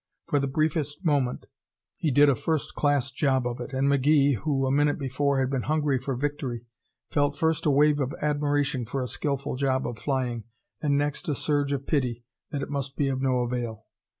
For the briefest moment he did a first class job of it, and McGee, who a minute before had been hungry for victory, felt first a wave of admiration for a skillful job of flying and next a surge of pity that it must be of no avail.